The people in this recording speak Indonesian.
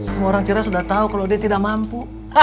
semua orang cerah sudah tahu kalau dia tidak mampu